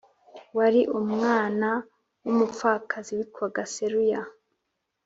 wari umwana w’umupfakazi witwaga Seruya